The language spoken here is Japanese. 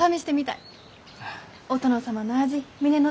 お殿様の味峰乃